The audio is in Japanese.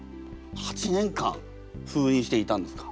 ８年間封印していたんですか？